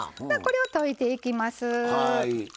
これを溶いていきます。